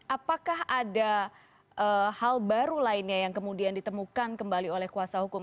apakah ada hal baru lainnya yang kemudian ditemukan kembali oleh kuasa hukum